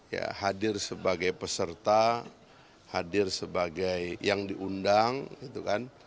ya hadir sebagai peserta hadir sebagai yang diundang gitu kan